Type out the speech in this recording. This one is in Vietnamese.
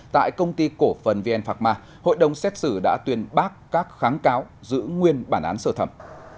tại công ty cổ phần vn phạc ma hội đồng xét xử đã tuyên bác các kháng cáo giữ nguyên bản án sơ thẩm